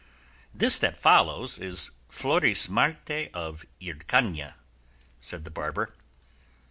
"This that follows is 'Florismarte of Hircania,'" said the barber.